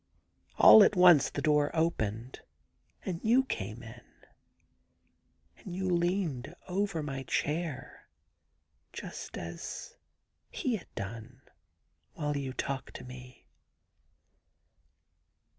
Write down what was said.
... All at once the door opened and you came in. ... And you leaned over my chair just as he had done, while you talked to me.'